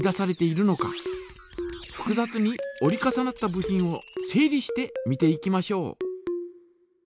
ふくざつに折り重なった部品を整理して見ていきましょう。